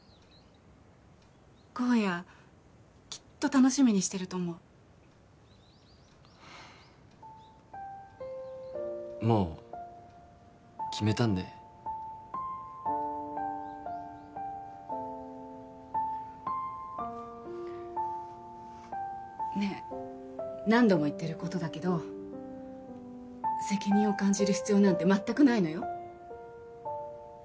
公哉きっと楽しみにしてると思うもう決めたんでねえ何度も言ってることだけど責任を感じる必要なんて全くないのよ